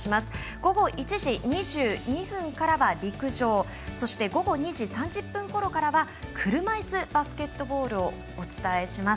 午後１時２２分からは陸上そして、午後２時３０分ごろから車いすバスケットボールをお伝えします。